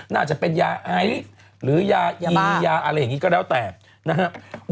น่าจะเป็นยาไอหรือยายียาอะไรอย่างนี้ก็แล้วแต่นะครับ